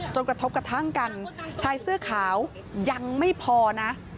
กระทบกระทั่งกันชายเสื้อขาวยังไม่พอนะ